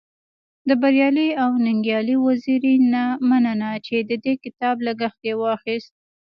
د بريالي او ننګيالي وزيري نه مننه چی د دې کتاب لګښت يې واخست.